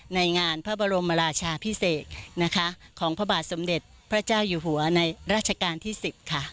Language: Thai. ในงานพระบรมราชาพิเศษนะคะของพระบาทสมเด็จพระเจ้าอยู่หัวในราชการที่๑๐ค่ะ